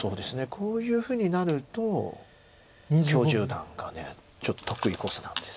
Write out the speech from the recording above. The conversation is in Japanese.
こういうふうになると許十段がちょっと得意コースなんです。